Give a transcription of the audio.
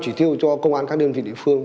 chỉ tiêu cho công an các đơn vị địa phương